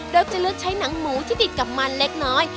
โดยจะเลือกใช้หนังหมูที่ติดกับมันเล็กน้อย